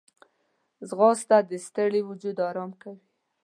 ځغاسته د ستړي وجود آرام کوي